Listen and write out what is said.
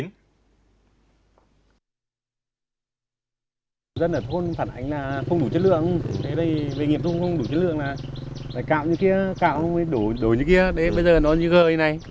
những người dân ở thôn phản ánh là không đủ chất lượng thế đây về nghiệp thôn không đủ chất lượng là phải cạo như kia cạo như kia đổ như kia đấy bây giờ nó như gờ như này